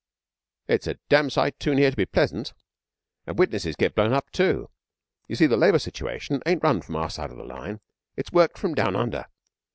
'It's a damn sight too near to be pleasant. And witnesses get blown up, too. You see, the Labour situation ain't run from our side the line. It's worked from down under.